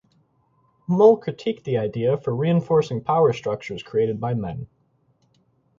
Mull critiqued the idea for reinforcing power structures created by men.